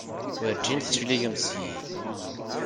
Werǧin d-tecligemt seg-i!